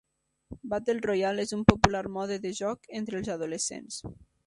Battle Royale és un popular mode de joc entre els adolescents.